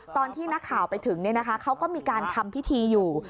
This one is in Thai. ตอนที่นักข่าวไปถึงเขาก็มีการทำพิธีอยู่